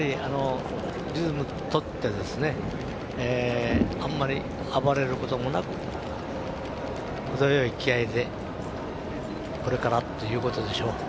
リズムを取ってですねあんまり暴れることもなく程よい気合いでこれからっていうことでしょう。